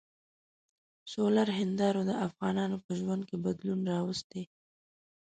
سولري هندارو د افغانانو په ژوند کې بدلون راوستی.